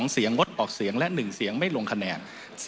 เสียงงดออกเสียงและ๑เสียงไม่ลงคะแนน